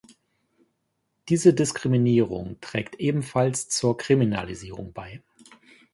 Diese Diskriminierung trägt ebenfalls zur Kriminalisierung bei.